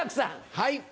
はい。